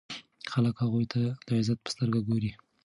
خلک هغوی ته د عزت په سترګه ګوري.